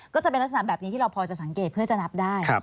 ก็จะเป็นลักษณะแบบนี้ที่เราพอจะสังเกตเพื่อจะนับได้